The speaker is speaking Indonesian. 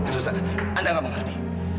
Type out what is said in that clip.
suster anda nggak mengerti